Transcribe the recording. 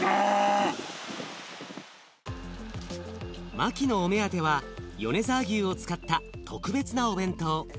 マキのお目当ては米沢牛を使った特別なお弁当。